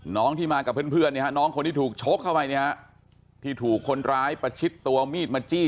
น้องที่มากับเพื่อนน้องคนที่ถูกชกเข้าไปเนี่ยฮะที่ถูกคนร้ายประชิดตัวมีดมาจี้